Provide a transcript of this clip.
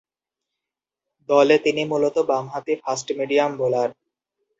দলে তিনি মূলতঃ বামহাতি ফাস্ট-মিডিয়াম বোলার।